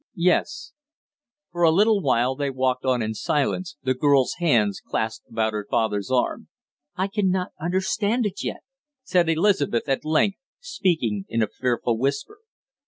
"Yes." For a little while they walked on in silence, the girl's hands clasped about her father's arm. "I can not understand it yet!" said Elizabeth at length, speaking in a fearful whisper.